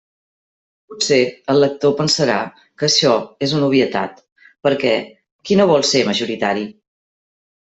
Potser el lector pensarà que açò és una obvietat, perquè ¿qui no vol ser majoritari?